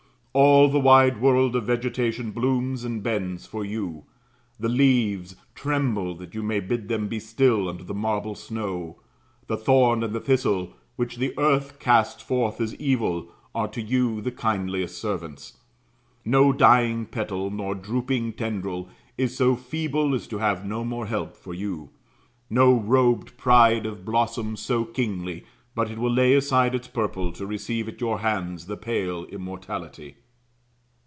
All the wide world of vegetation blooms and bends for you; the leaves tremble that you may bid them be still under the marble snow; the thorn and the thistle, which the earth casts forth as evil, are to you the kindliest servants; no dying petal, nor drooping tendril, is so feeble as to have no more help for you; no robed pride of blossom so kingly, but it will lay aside its purple to receive at your hands the pale immortality.